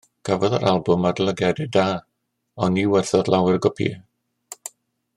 Cafodd yr albwm adolygiadau da ond ni werthodd lawer o gopïau.